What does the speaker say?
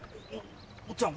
おっちゃん